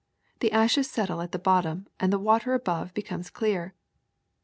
The ashes settle at the bottom and the water above becomes clear.